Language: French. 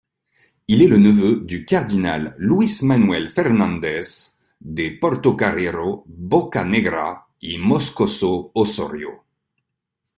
Il est le neveu du cardinal Luis Manuel Fernández de Portocarrero-Bocanegra y Moscoso-Osorio.